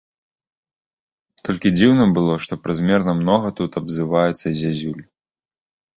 Толькі дзіўна было, што празмерна многа тут абзываецца зязюль.